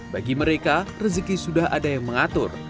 bagi mereka rezeki sudah ada yang mengatur